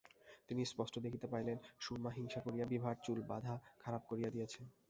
তিনি স্পষ্ট দেখিতে পাইলেন, সুরমা হিংসা করিয়া বিভার চুল বাঁধা খারাপ করিয়া দিয়াছে।